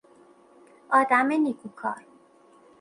آدم نیکوکار